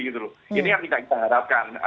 ini yang kita harapkan